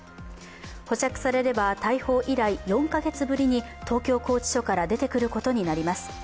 保釈されれば逮捕以来４か月ぶりに東京拘置所から出てくることになります。